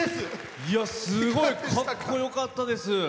すごいかっこよかったです。